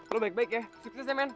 lo baik baik ya sukses ya man